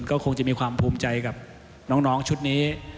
ก็คงจะมีความภูมิใจกับน้องชุดนี้